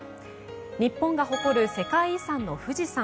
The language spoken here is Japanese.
日本が誇る世界遺産の富士山。